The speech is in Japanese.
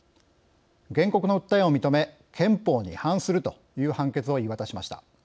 原告の訴えを認め憲法に違反するという判決を言い渡しました。